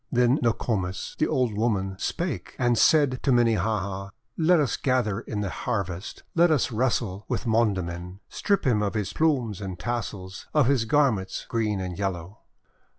TJien Nokomis, the old woman, Spake, and said to Minnehaha, "Let us gather in the harvest, Let us wrestle with Mondamin, Strip him of his plumes and tassels, Of his garments green and yellow